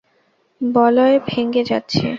বলয় ভেঙ্গে যাচ্ছে!